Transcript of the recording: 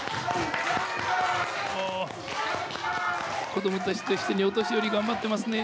子供たちと一緒にお年寄り頑張ってますね。